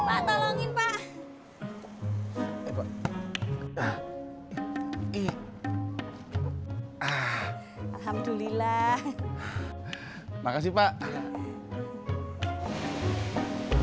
alhamdulillah makasih pak